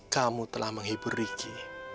kamu telah menghibur riki